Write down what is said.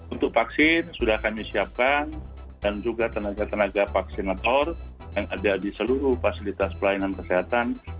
untuk vaksin sudah kami siapkan dan juga tenaga tenaga vaksinator yang ada di seluruh fasilitas pelayanan kesehatan